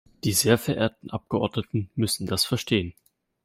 Die sehr verehrten Abgeordneten müssen das verstehen.